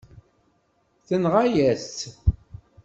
Tenɣa-yas-tt.